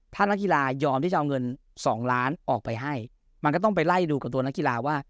ถ้านักกีฬายอมที่จะเอาเงิน๒ล้านออกไปให้มันก็ต้องไปไล่ดูกับตัวนักกีฬาว่า